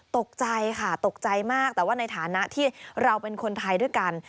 ตกใจค่ะตกใจมากแต่ว่าในฐานะที่เราเป็นคนไทยด้วยกัน